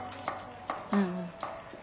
うんうん。